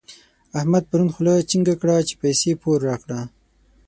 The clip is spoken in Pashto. احمد پرون خوله چينګه کړه چې پيسې پور راکړه.